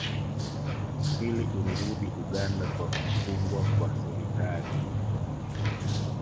Mwili ulirudi Uganda kwa kufungwa kwa serikali